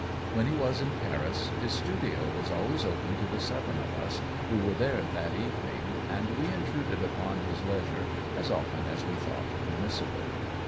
When he was in Paris, his studio was always open to the seven of us who were there that evening, and we intruded upon his leisure as often as we thought permissible.